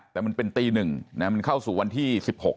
แต่มันเป็นตี๑มันเข้าสู่วันที่๑๖